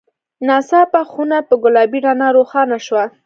ناڅاپه خونه په ګلابي رڼا روښانه شوه.